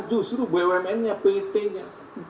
justru bumn nya pt nya